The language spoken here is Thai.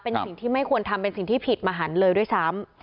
เป็นสิ่งที่ไม่ควรทำเป็นสิ่งที่ผิดมหันเลยด้วยซ้ำ